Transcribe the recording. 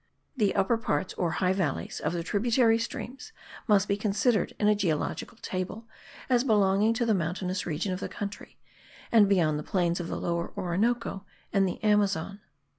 The upper parts or high valleys of the tributary streams must be considered in a geological table as belonging to the mountainous region of the country, and beyond the plains of the Lower Orinoco and the Amazon.